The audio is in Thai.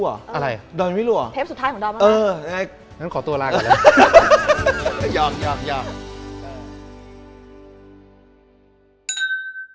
สุดท้ายของดอมมากนะครับอย่างนั้นขอตัวล่ะครับ